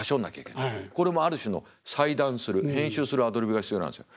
これもある種の裁断する編集するアドリブが必要なんですよ。